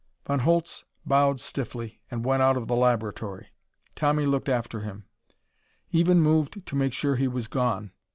Von Holtz bowed stiffly and went out of the laboratory. Tommy looked after him. Even moved to make sure he was gone.